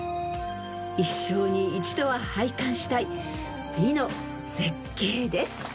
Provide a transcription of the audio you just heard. ［一生に一度は拝観したい美の絶景です］